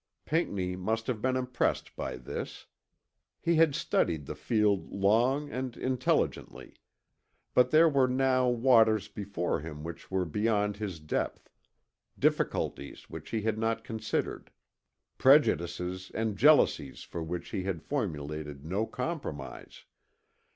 Pinckney must have been impressed by this. He had studied the field long and intelligently; but there were now waters before him which were beyond his depth difficulties which he had not considered; prejudices and jealousies for which he had formulated no compromise.